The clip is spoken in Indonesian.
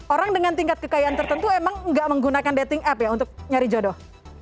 orang dengan tingkat kekayaan tertentu emang nggak menggunakan dating app ya untuk nyari jodoh